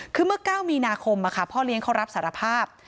คือเมื่อ๙มีนาคมพ่อเลี้ยงเขารับสารภาพ